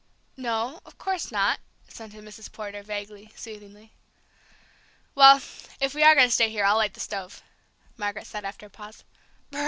"No, of course not," assented Mrs. Porter, vaguely, soothingly. "Well, if we are going to stay here, I'll light the stove," Margaret said after a pause.